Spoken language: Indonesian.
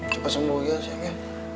cepet sembuh ya sayang ya